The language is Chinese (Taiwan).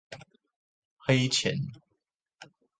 黑錢